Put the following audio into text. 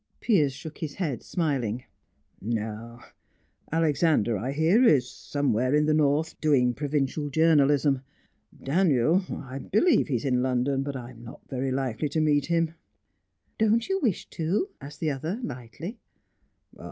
Piers shook his head, smiling. "No. Alexander, I hear, is somewhere in the North, doing provincial journalism. Daniel I believe he is in London, but I'm not very likely to meet him." "Don't you wish to?" asked the other lightly.